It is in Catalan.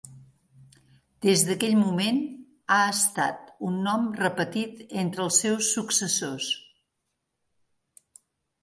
Des d'aquell moment, ha estat un nom repetit entre els seus successors.